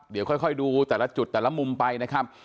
เดี๋ยวค่อยดูแต่ละจุดแต่ละมุมไปนะครับ